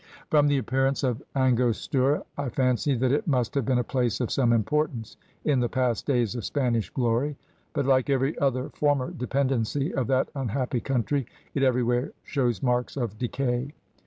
"From the appearance of Angostura, I fancied that it must have been a place of some importance in the past days of Spanish glory, but like every other former dependency of that unhappy country, it everywhere shows marks of decay.